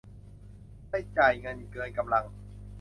ไม่จ่ายเงินเกินกำลัง